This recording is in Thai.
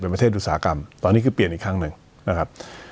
เป็นประเทศอุตสาหกรรมตอนนี้คือเปลี่ยนอีกครั้งหนึ่งนะครับ